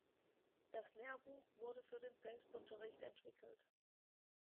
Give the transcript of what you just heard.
Das Lehrbuch wurde für den Selbstunterricht entwickelt.